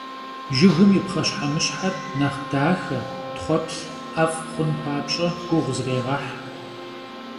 Jjıgım yi pxheşhemışher nexh daxe, txhueplh, 'ef' xhun papş'e guğu zrêğeh.